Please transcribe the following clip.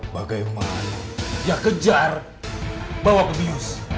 bagai umat yang kejar bawa kebius